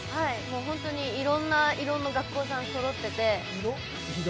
本当に色いろんな学校さんがそろってて。